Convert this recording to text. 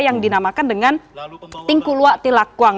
yang dinamakan dengan tingkulua tilakwang